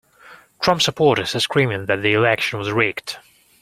Trump supporters are screaming that the election was rigged.